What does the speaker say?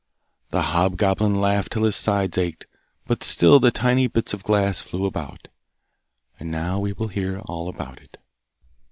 The hobgoblin laughed till his sides ached, but still the tiny bits of glass flew about. And now we will hear all about it.